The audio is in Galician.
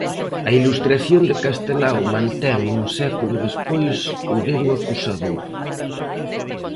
A ilustración de Castelao mantén un século despois o dedo acusador.